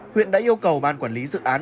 huyện đã yêu cầu ban quản lý dự án